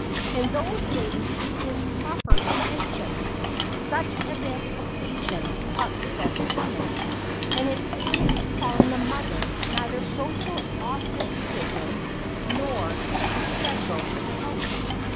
In those days, it is proper to mention, such events occasioned but little comment, and entailed upon the mother neither social ostracism nor especial reproach.